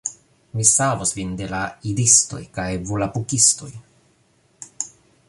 Mi savos vin de la Idistoj kaj Volapukistoj